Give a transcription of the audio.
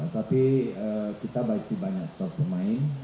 tapi kita masih banyak squad pemain